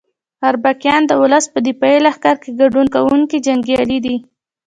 اربکیان د ولس په دفاعي لښکر کې ګډون کوونکي جنګیالي دي.